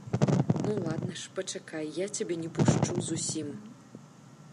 Ну ладна ж, пачакай, я цябе не пушчу зусім.